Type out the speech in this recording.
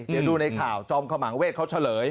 เดี๋ยวดูในข่าวจอมขมังเวทเขาเฉลย